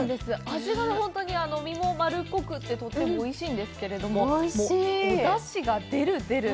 味が本当に実も丸っこくって、とてもおいしいんですけれども、もうお出汁が出る出る。